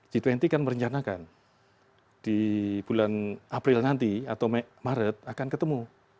g dua puluh kan merencanakan di bulan april nanti atau maret akan ketemu